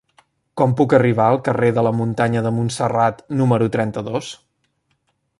Com puc arribar al carrer de la Muntanya de Montserrat número trenta-dos?